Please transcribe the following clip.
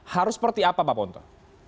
harus seperti apa pak ponto